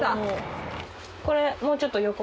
これもうちょっと横。